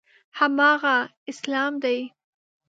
هماغه اسلام دی.